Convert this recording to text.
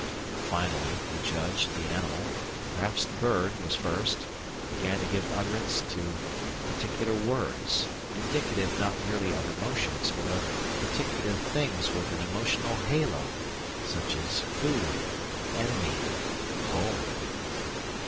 Finally, we judge, the animal perhaps the bird was first began to give utterance to particular "words," indicative not merely of emotions, but of particular things with an emotional halo, such as "food," "enemy," "home."